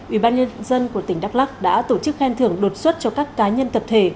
ủy ban nhân dân của tỉnh đắk lắc đã tổ chức khen thưởng đột xuất cho các cá nhân tập thể